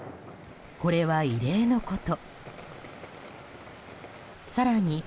これは異例のこと。